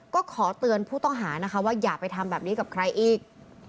ก็ขอเตือนผู้ต้องหานะคะว่าอย่าไปทำแบบนี้กับใครอีก